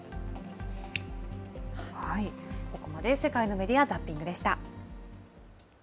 ここまで世界のメディア・ザッピングでした。